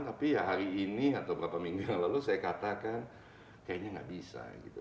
tapi ya hari ini atau beberapa minggu yang lalu saya katakan kayaknya nggak bisa gitu